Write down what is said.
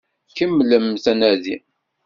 Kemmlemt anadi!